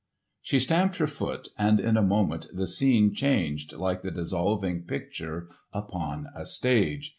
] She stamped her foot, and in a moment the scene changed like the dissolving picture upon a stage.